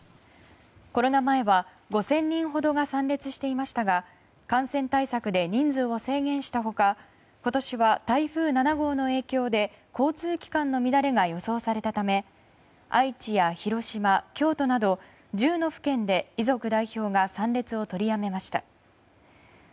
コロナ前は、５０００人ほどが参列していましたが感染対策で人数を制限した他今年は台風７号の影響で交通機関の乱れが予想されたため愛知や広島、京都など１０の府県で遺族代表が参列を取りやめました。